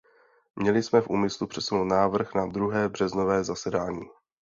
Měli jsme v úmyslu přesunout návrh na druhé březnové zasedání.